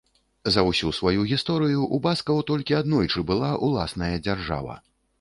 За ўсю сваю гісторыю ў баскаў толькі аднойчы была ўласная дзяржава.